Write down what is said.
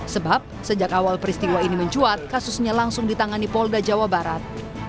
sebab sejak awal peristiwa ini mencuat kasusnya langsung ditangani polda jawa barat